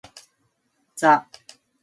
The "Chaparral" is nationally distributed.